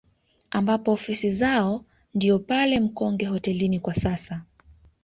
Ambapo ofisi zao ndio pale Mkonge hotelini kwa sasa